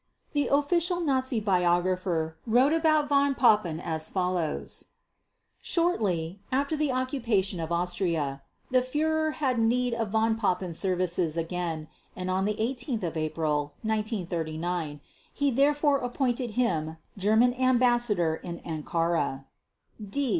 The official Nazi biographer wrote about Von Papen as follows: "Shortly (after the occupation of Austria) the Führer had need of Von Papen's services again and on 18 April 1939, he therefore appointed him German Ambassador in Ankara" (D 632).